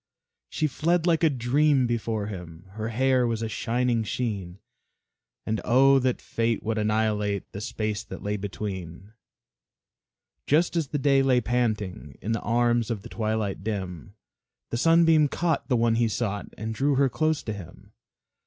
She fled like a dream before him, Her hair was a shining sheen, And oh, that Fate would annihilate The space that lay between! Just as the day lay panting In the arms of the twilight dim, The Sunbeam caught the one he sought And drew her close to him.